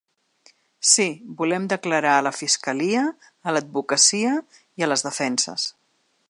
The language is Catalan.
Sí, volem declarar a la fiscalia, a l'advocacia i a les defenses.